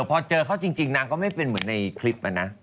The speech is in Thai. พอเจอเขาจริงนางก็ไม่เป็นเหมือนในคลิปนะ